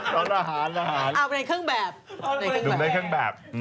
ทราบในเครื่องแบบ